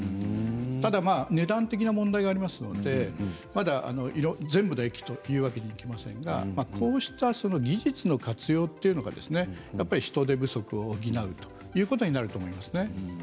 ただ値段的な問題がありますので全部の駅というわけにはいきませんがこうした技術の活用が人手不足を補うということになると思います。